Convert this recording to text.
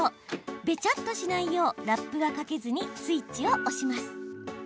べちゃっとしないようラップはかけずにスイッチを押します。